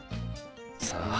さあ